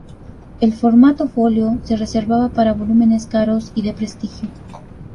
El formato "folio "se reservaba para volúmenes caros y de prestigio.